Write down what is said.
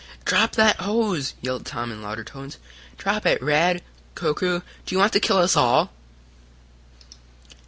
"Drop that hose!" yelled Tom in louder tones. "Drop it, Rad Koku! Do you want to kill us all!"